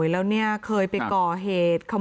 ลักษณ์มากกว่า